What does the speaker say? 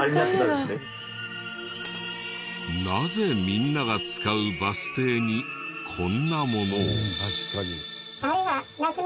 なぜみんなが使うバス停にこんなものを？